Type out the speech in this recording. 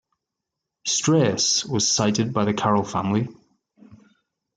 'Stress' was cited by the Carroll family.